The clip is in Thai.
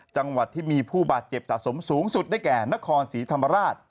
จังหวัดที่มีผู้บาดเจ็บสะสมสูงสุดได้แก่นครศรีธรรมราช